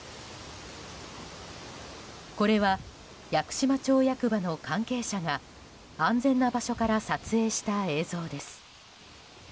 これは屋久島町役場の関係者が安全な場所から撮影した映像です。